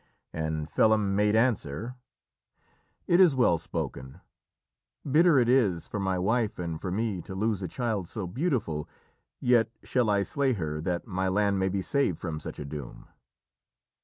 And Felim made answer: "It is well spoken. Bitter it is for my wife and for me to lose a child so beautiful, yet shall I slay her that my land may be saved from such a doom."